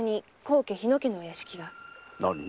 何？